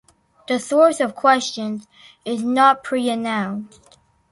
The source of questions is not pre-announced.